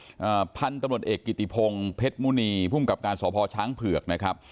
อ่าพันตำรวจเอกกิติพงเพชรมูนีผู้อำนาจการสอบพอร์ช้างเผือกนะครับ